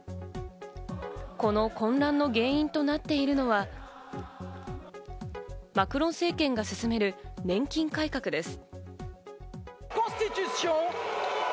この混乱の原因となっているのは、マクロン政権が進める年金改革です。